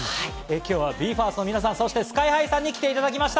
今日はＢＥ：ＦＩＲＳＴの皆さん、そしてＳＫＹ−ＨＩさんに来ていただきました。